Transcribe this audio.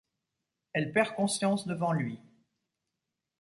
Elle perd conscience devant lui.